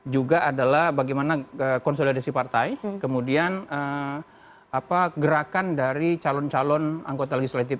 juga adalah bagaimana konsolidasi partai kemudian gerakan dari calon calon anggota legislatif